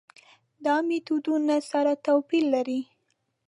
دا میتودونه سره توپیر لري.